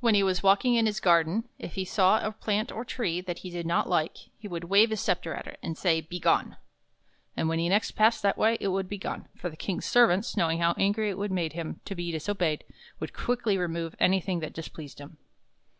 When he was walking in his garden, if he saw a plant or a tree that he did not like, he would wave his scepter at it, and say "Be gone!" And when he next passed that way, it would be gone, for the King's servants, knowing how angry it made him to be disobeyed, would quickly remove anything that dis pleased him.